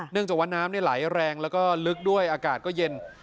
จากว่าน้ำไหลแรงแล้วก็ลึกด้วยอากาศก็เย็น